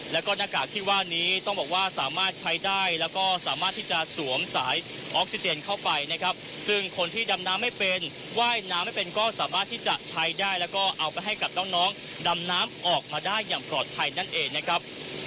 แล้วก็หน้ากากที่ว่านี้ต้องบอกว่าสามารถใช้ได้แล้วก็สามารถที่จะสวมสายออกซิเจนเข้าไปนะครับซึ่งคนที่ดำน้ำไม่เป็นว่ายน้ำไม่เป็นก็สามารถที่จะใช้ได้แล้วก็เอาไปให้กับน้องดำน้ำออกมาได้อย่างปลอดภัยนั่นเองนะครับ